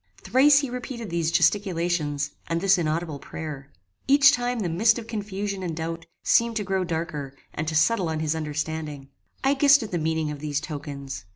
Thrice he repeated these gesticulations and this inaudible prayer. Each time the mist of confusion and doubt seemed to grow darker and to settle on his understanding. I guessed at the meaning of these tokens.